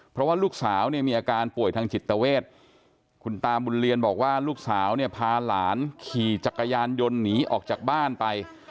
เพราะว่าลูกสาวเนี่ยมีอาการป่วยทางจิตเวทคุณตาบุญเรียนบอกว่าลูกสาวเนี่ยพาหลานขี่จักรยานยนต์หนีออกจากบ้านไป